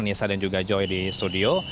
nisa dan juga joy di studio